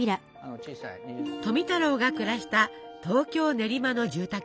富太郎が暮らした東京練馬の住宅。